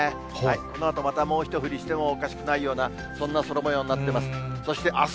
このあとまたもう一降りしてもおかしくないような、そんな空もようになっています。